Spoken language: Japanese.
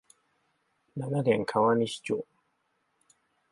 奈良県川西町